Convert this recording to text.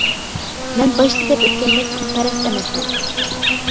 مەن باشتا دەپ ئۆتكەندەك پۇلپەرەس ئەمەسمەن!